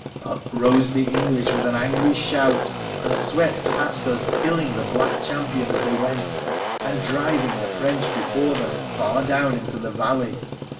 Up rose the English with an angry shout, and swept past us, killing the black champion as they went, and driving the French before them far down into the valley.